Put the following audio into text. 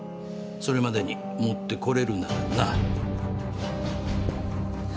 それまでに持ってこれるならな。